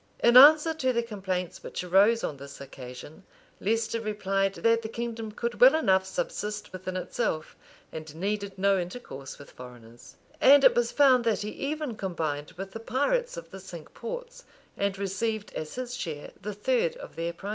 In answer to the complaints which arose on this occasion, Leicester replied that the kingdom could well enough subsist within itself, and needed no intercourse with foreigners. And it was found that he even combined with the pirates of the cinque ports, and received as his share the third of their prizes.[] * Rymer, vol. i. p. 792. Knyghton, p. 2451.